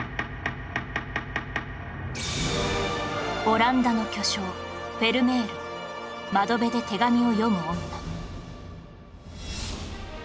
オランダの巨匠フェルメール『窓辺で手紙を読む女』